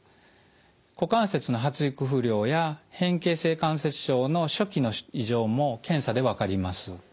股関節の発育不良や変形性関節症の初期の異常も検査で分かります。